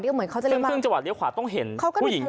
เอิ้นมีภูมิเหลวขาที่ต้องเห็นผู้หญิง